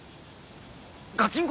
『ガチンコ！』